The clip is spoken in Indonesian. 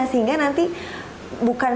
sehingga nanti bukan